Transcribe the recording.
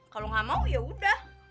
kalau nggak mau ya udah